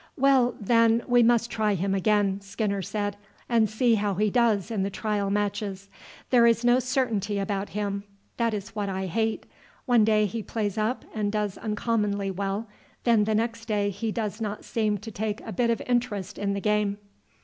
"Well, then, we must try him again," Skinner said, "and see how he does in the trial matches. There is no certainty about him, that is what I hate; one day he plays up and does uncommonly well, then the next day he does not seem to take a bit of interest in the game."